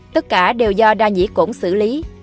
tất cả đều do đa nhĩ cổn xử lý